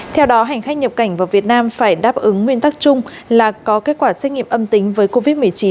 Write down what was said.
theo đó hành khách nhập cảnh vào việt nam phải đáp ứng nguyên tắc chung là có kết quả xét nghiệm âm tính với covid một mươi chín